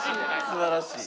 素晴らしい。